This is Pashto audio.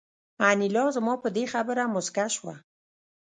انیلا زما په دې خبره موسکه شوه